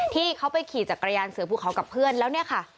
ที่เขาไปขี่จักรยานเสือภูเขากับเพื่อนแล้วเนี่ยค่ะ